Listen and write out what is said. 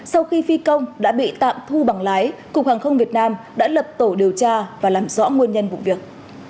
sau khi phi công đã bị tạm thu bằng lái cục hàng không việt nam đã lập tổ điều tra và làm rõ nguồn nhân vụ việc